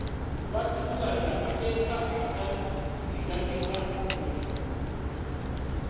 Twakizuula nti amateeka asatu ge gasinga okumenyebwa.